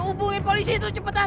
hubungin polisi itu cepetan